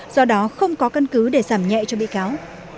do đó không có căn cứ để giảm nhẹ cho bị cáo